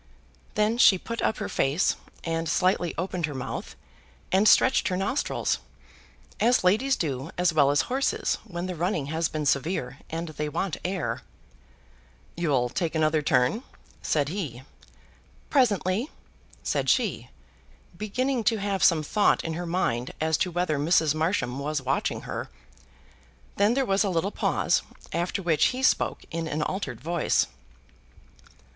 Then she put up her face, and slightly opened her mouth, and stretched her nostrils, as ladies do as well as horses when the running has been severe and they want air. "You'll take another turn," said he. "Presently," said she, beginning to have some thought in her mind as to whether Mrs. Marsham was watching her. Then there was a little pause, after which he spoke in an altered voice.